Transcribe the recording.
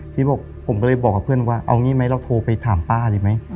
ที่บอกผมก็เลยบอกกับเพื่อนว่าเอางี้ไหมเราโทรไปถามป้าดีไหม